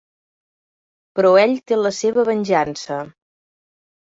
Però ell té la seva venjança.